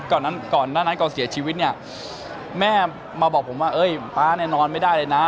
ก่อนนั้นก่อนหน้านั้นก่อนเสียชีวิตเนี่ยแม่มาบอกผมว่าเอ้ยป๊าเนี่ยนอนไม่ได้เลยนะ